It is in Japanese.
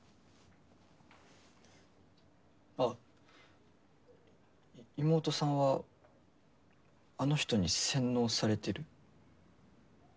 あっ妹さんはあの人に洗脳されてる？